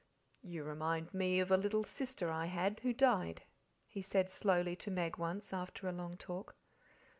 "You remind me of a little sister I had who died," he said slowly to Meg once, after a long talk.